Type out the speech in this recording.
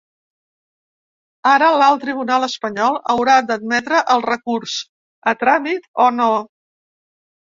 Ara l’alt tribunal espanyol haurà d’admetre el recurs a tràmit o no.